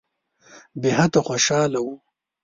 بېحده خوشاله وو.